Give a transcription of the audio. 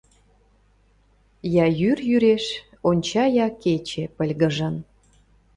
Я йӱр йӱреш, онча я кече пыльгыжын.